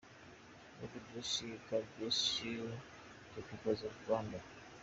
God bless you, God bless the people of Rwanda.